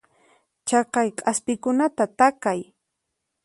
Chaqay k'aspikunata takay.